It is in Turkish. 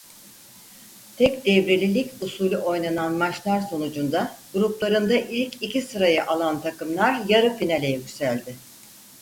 Tek devreli lig usulü oynanan maçlar sonucunda gruplarında ilk iki sırayı alan takımlar yarı finale yükseldi.